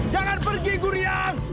jangan pergi gurian